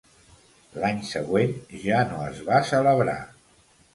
L'any següent ja no es va celebrar.